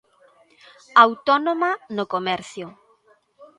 Autónoma no comercio.